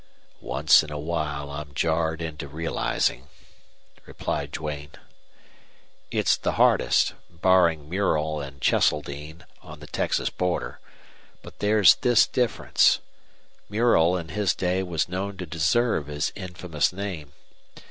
"Once in a while I'm jarred into realizing," replied Duane. "It's the hardest, barring Murrell and Cheseldine, on the Texas border. But there's this difference. Murrell in his day was known to deserve his infamous name.